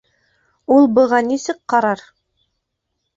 Ул быға нисек ҡарар?!